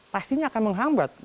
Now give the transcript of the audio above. pastinya akan menghambat